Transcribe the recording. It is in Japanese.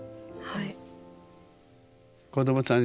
はい。